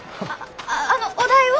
あのお代を！